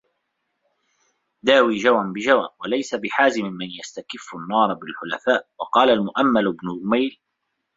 دَاوِي جَوًى بِجَوًى وَلَيْسَ بِحَازِمٍ مَنْ يَسْتَكِفُّ النَّارَ بِالْحَلْفَاءِ وَقَالَ الْمُؤَمَّلُ بْنُ أُمَيْلٍ